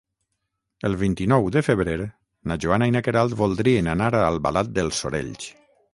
El vint-i-nou de febrer na Joana i na Queralt voldrien anar a Albalat dels Sorells.